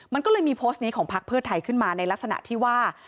มันก็เลยมีโพสต์นี้ของพักเพื่อไทยขึ้นมาในลักษณะที่ว่า